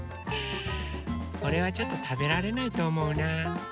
これはちょっとたべられないとおもうなうん。